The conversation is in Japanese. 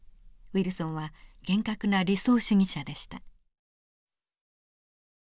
ウィルソンは厳格な理想主義者でした。